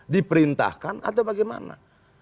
diperintahkan atau bagaimana